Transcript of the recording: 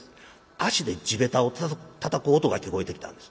足で地べたをたたく音が聞こえてきたんです。